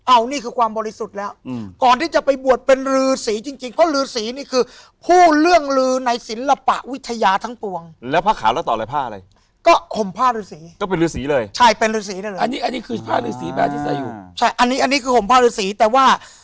อันนี้คือความบริกษุแล้ว